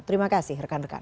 terima kasih rekan rekan